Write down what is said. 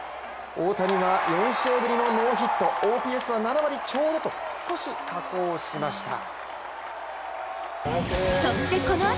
大谷は４試合ぶりのノーヒットＯＰＳは７割ちょうどと少し下降しました。